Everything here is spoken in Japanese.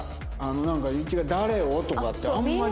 なんか優一が誰をとかってあんまり。